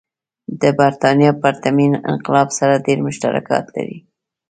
د برېټانیا پرتمین انقلاب سره ډېر مشترکات لري.